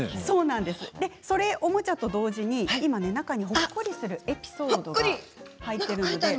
おもちゃと同時に、中にはほっこりするエピソードが入っています。